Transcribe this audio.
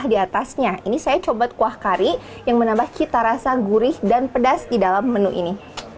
di atasnya ini saya coba kuah kari yang menambah cita rasa gurih dan pedas di dalam menu ini